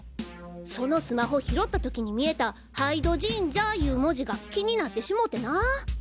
そのスマホ拾った時に見えた杯戸神社いう文字が気になってしもてなぁ。